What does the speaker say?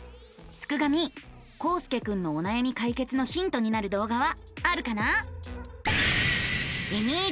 すくガミこうすけくんのおなやみ解決のヒントになる動画はあるかな？